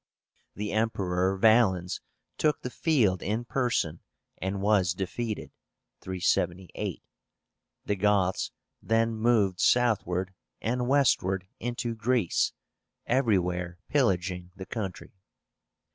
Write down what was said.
The Emperor Valens took the field in person, and was defeated (378). The Goths then moved southward and westward into Greece, everywhere pillaging the country.